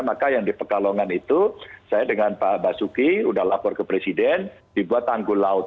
maka yang di pekalongan itu saya dengan pak basuki sudah lapor ke presiden dibuat tanggul laut